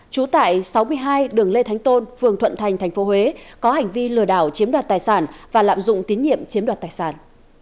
trú tại sáu mươi hai đường lê thánh tôn phường thuận thành tp huế có hành vi lừa đảo chiếm đoạt tài sản và lạm dụng tín nhiệm chiếm đoạt tài sản